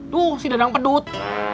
duh si dadang pedut